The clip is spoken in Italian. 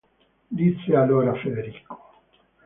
Disse allora Federico.